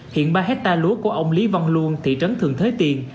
hiện ba hecta lúa của ông lý văn luân thị trấn thường thới tiền